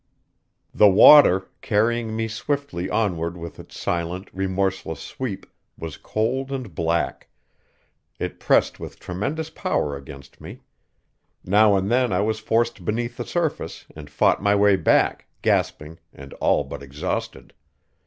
The water, carrying me swiftly onward with its silent, remorseless sweep, was cold and black; it pressed with tremendous power against me; now and then I was forced beneath the surface and fought my way back, gasping and all but exhausted.